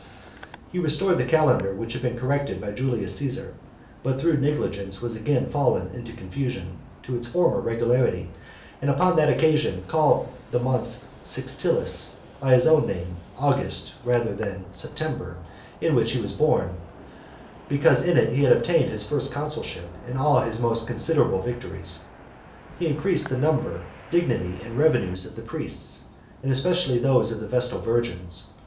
He restored the calendar, which had been corrected by Julius Caesar, but through negligence was again fallen into confusion , to its former regularity; and upon that occasion, called the month Sextilis , by his own name, August, rather than September, in which he was born; because in it he had obtained his first consulship, and all his most considerable victories . He increased the number, dignity, and revenues of the priests, and especially those of the Vestal Virgins.